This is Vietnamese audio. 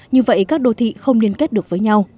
như vậy các đô thị không liên kết được với nhau